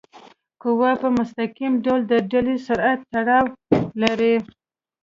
قوه په مستقیم ډول د ډلي سره تړاو لري.